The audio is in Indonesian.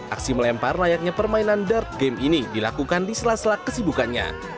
aksi melempar layaknya permainan dark game ini dilakukan di sela sela kesibukannya